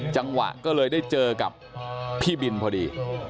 จังหวะก็เลยได้เจอกับพี่บินพอดี